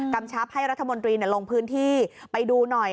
ชับให้รัฐมนตรีลงพื้นที่ไปดูหน่อย